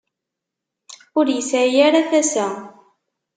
Ur yesɛi ara tasa.